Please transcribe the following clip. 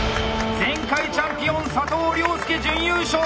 前回チャンピオン佐藤亮介準優勝。